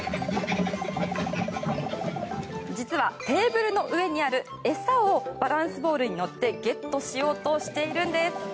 実はテーブルの上にある餌をバランスボールに乗ってゲットしようとしているんです。